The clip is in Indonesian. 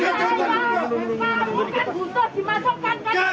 jatah apa jatah apa